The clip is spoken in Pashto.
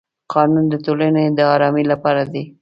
قانون د ټولنې د ارامۍ لپاره دی.